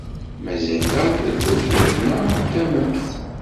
Mazal-aɣ deg wayyur-nneɣ n tamemt.